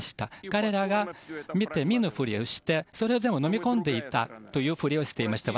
彼らが見て見ぬ振りをしてそれを全部のみ込んでいたというふりをしていました。